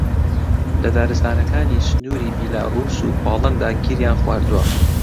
لە دارستانەکانی سنووری بیلاڕووس و پۆڵەندا گیریان خواردووە